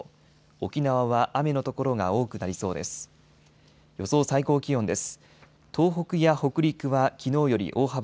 沖縄は雨の所が多くなりそうです。